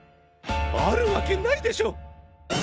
あるわけないでしょ！